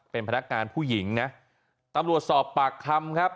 เป็นพนักงานผู้หญิงนะตำรวจสอบปากคำครับ